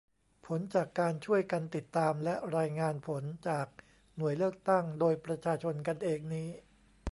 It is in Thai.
ผลจากการช่วยกันติดตามและรายงานผลจากหน่วยเลือกตั้งโดยประชาชนกันเองนี้